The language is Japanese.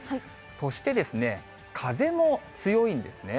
そして、風も強いんですね。